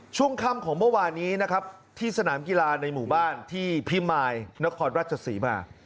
ช่วงค่ำของเมื่อวานนี้นะครับที่สนามกีฬาในหมู่บ้านที่พิมายนครราชศรีมา